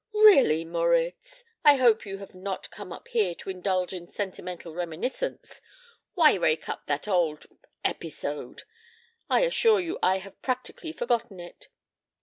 "Really, Moritz! I hope you have not come up here to indulge in sentimental reminiscence. Why rake up that old episode? I assure you I have practically forgotten it."